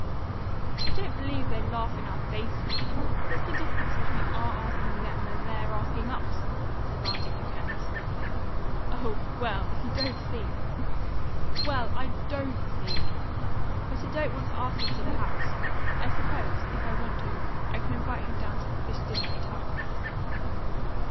"I don't believe they'd laugh in our faces. What's the difference between our asking them and their asking us?" demanded the Colonel sulkily. "Oh, well! If you don t see!" "Well, I DON'T see. But I don't want to ask them to the house. I suppose, if I want to, I can invite him down to a fish dinner at Taft's."